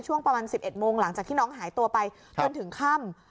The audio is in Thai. ช่วงประมาณ๑๑โมงหลังจากที่น้องหายตัวไปจนถึงค่ำ